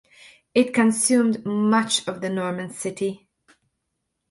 It consumed much of the Norman city.